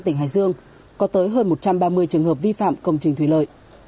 tỉnh hải dương có tới hơn một trăm ba mươi trường hợp vi phạm công trình thủy lợi